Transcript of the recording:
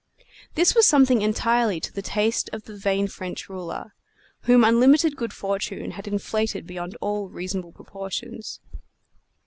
This was something entirely to the taste of the vain French ruler, whom unlimited good fortune had inflated beyond all reasonable proportions.